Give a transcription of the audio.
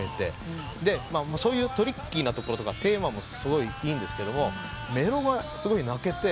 そういうトリッキーなところとかテーマもすごいいいんですがメロがすごい泣けて。